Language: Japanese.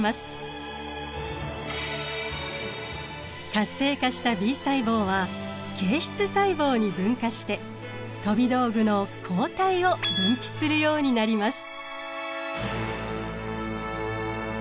活性化したＢ細胞は形質細胞に分化して飛び道具の抗体を分泌するようになります。